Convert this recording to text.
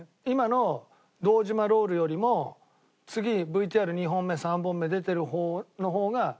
今の堂島ロールよりも次ＶＴＲ２本目３本目出てる方が。